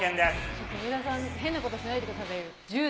ちょっと上田さん、変なことしないでくださいよ。